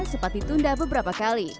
sempat ditunda beberapa kali